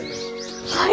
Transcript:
はい！